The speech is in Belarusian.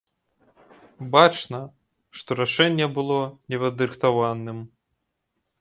Бачна, што рашэнне было непадрыхтаваным.